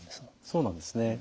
そうなんですね。